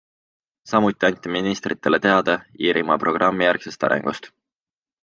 Samuti anti ministritele teada Iirimaa programmijärgsest arengust.